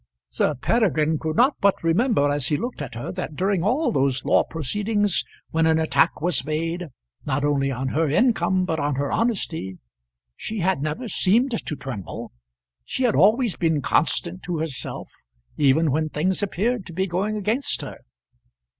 Sir Peregrine could not but remember as he looked at her that during all those law proceedings, when an attack was made, not only on her income but on her honesty, she had never seemed to tremble. She had always been constant to herself, even when things appeared to be going against her.